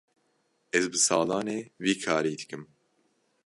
Ez bi salan e vî karî dikim.